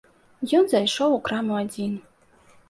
Ён зайшоў у краму адзін.